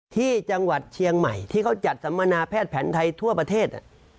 ที่จังหวัดเชียงใหม่ที่เขาจัดสัมมนาแพทย์แผนไทยทั่วประเทศ